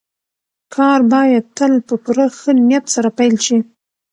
کار بايد تل په پوره ښه نيت سره پيل شي.